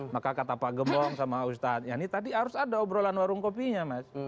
maka kata pak gembong sama ustadz yani tadi harus ada obrolan warung kopinya mas